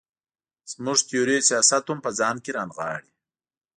زموږ تیوري سیاست هم په ځان کې را نغاړي.